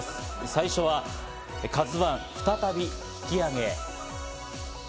最初は「ＫＡＺＵ１」再び引き揚げへ。